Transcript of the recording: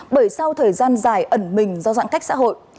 bởi sau thời gian dài ẩn mình do giãn cách xã hội